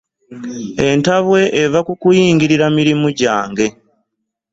Entabwe eva ku kuyingirira mirimu jange.